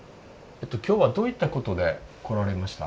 今日はどういったことで来られました？